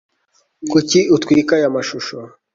kuki utwika aya mashusho